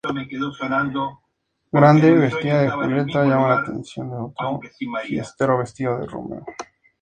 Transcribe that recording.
Grande, vestida de Julieta, llama la atención de otro fiestero vestido de Romeo.